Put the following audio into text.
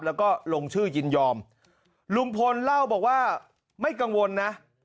แล้วก็ลงชื่อยินยอมลุงพลเล่าบอกว่าไม่กังวลนะ